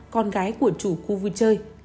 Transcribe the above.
con gái của chủ khu vui chơi